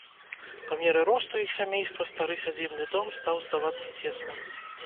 Па меры росту іх сямейства стары сядзібны дом стаў здавацца цесным.